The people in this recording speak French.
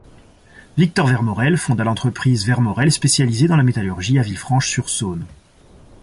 Victor Vermorel fonda l'entreprise Vermorel spécialisée dans la métallurgie, à Villefranche-sur-Saône.